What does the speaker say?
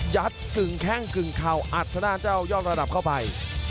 กึ่งแข้งกึ่งเข่าอัดทางด้านเจ้ายอดระดับเข้าไป